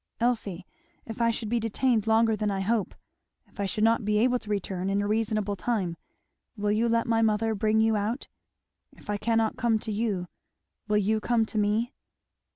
Elfie if I should be detained longer than I hope if I should not be able to return in a reasonable time, will you let my mother bring you out? if I cannot come to you will you come to me?"